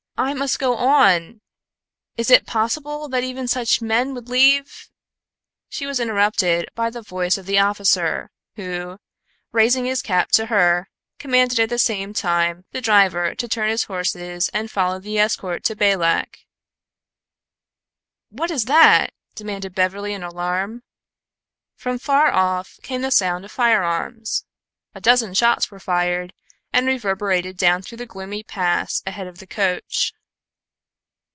"I must go on! Is it possible that even such men would leave " She was interrupted by the voice of the officer, who, raising his cap to her, commanded at the same time the driver to turn his horses and follow the escort to Balak. "What is that?" demanded Beverly in alarm. From far off came the sound of firearms. A dozen shots were fired, and reverberated down through the gloomy pass ahead of the coach.